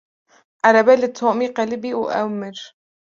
Erebe li Tomî qelibî û ew mir.